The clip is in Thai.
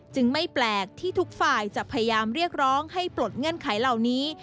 ไม่แปลกที่ทุกฝ่ายจะพยายามเรียกร้องให้ปลดเงื่อนไขเหล่านี้